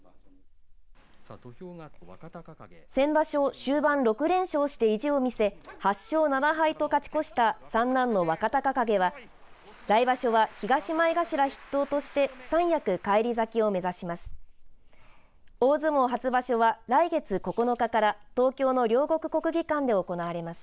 先場所、終盤６連勝して意地を見せ８勝７敗と勝ち越した３男の若隆景は来場所、東前頭筆頭として三役、返り咲きを目指します。